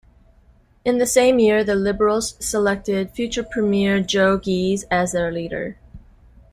In the same year, the Liberals selected future premier Joe Ghiz as their leader.